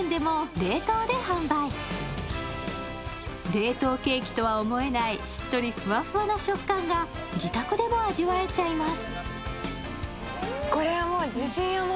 冷凍ケーキとは思えない、しっとりふわふわな食感が自宅でも味わえちゃいます！